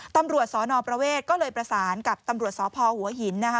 ตำรวจสนประเวทก็เลยประสานกับตำรวจสพหัวหินนะคะ